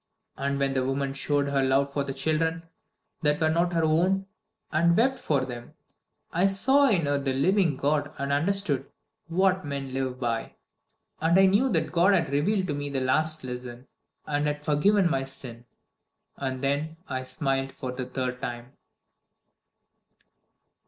And when the woman showed her love for the children that were not her own, and wept over them, I saw in her the living God and understood What men live by. And I knew that God had revealed to me the last lesson, and had forgiven my sin. And then I smiled for the third time."